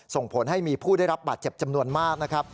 ส่งผลให้มีผู้ได้รับบาดเจ็บจำนวนมากนะครับ